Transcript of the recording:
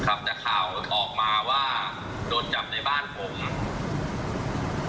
ครับแต่ข่าวออกมาว่าโดนจับในบ้านผม